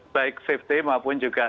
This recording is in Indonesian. baik safety maupun juga